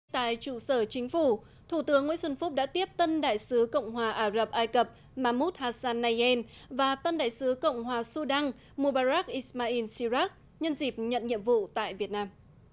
tại trụ sở chính phủ thủ tướng nguyễn xuân phúc đã tiếp tân đại sứ cộng hòa ả rập ai cập mahmoud hassan nayen và tân đại sứ cộng hòa sudan mubarak ismail sirak nhân dịp nhận nhiệm vụ tại việt nam